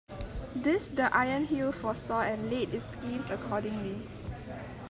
This the Iron Heel foresaw and laid its schemes accordingly.